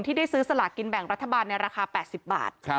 ได้ซื้อสลากินแบ่งรัฐบาลในราคา๘๐บาท